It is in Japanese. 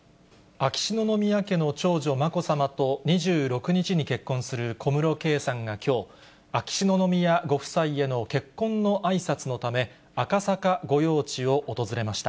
秋篠宮家の長女、まこさまと、２６日に結婚する小室圭さんがきょう、秋篠宮ご夫妻への結婚のあいさつのため、赤坂御用地を訪れました。